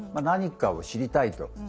何かを知りたいと。